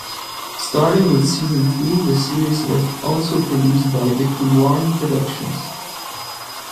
Starting with season three, the series was also produced by Bickley-Warren Productions.